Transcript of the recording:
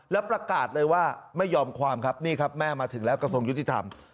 แล้วประกาศเลยว่าไม่ยอมความครับนี่ครับแม่มาถึงแล้วกระทรวงยุติธรรม